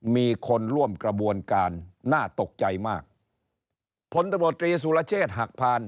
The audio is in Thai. มีคนร่วมกระบวนการน่าตกใจมากพลตมตรีสุรเชษหักพรรณ